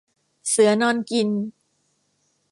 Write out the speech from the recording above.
เสือนอนกิน